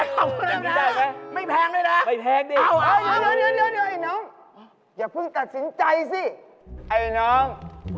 อ๋อขอบคุณครับนะไม่แพงด้วยนะอย่าเพิ่งตัดสินใจสิไอ้น้อง